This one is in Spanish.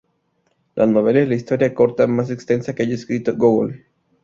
La novela es la historia corta más extensa que haya escrito Gógol.